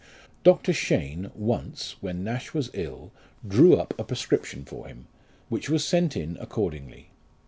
Dr. Cheyne once, when Nash was ill, drew up a prescription for him, which was sent in accordingly.